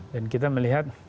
dan kita melihat